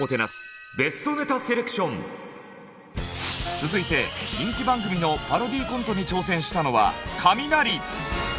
続いて人気番組のパロディーコントに挑戦したのはカミナリ。